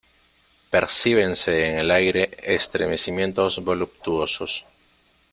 percíbense en el aire estremecimientos voluptuosos: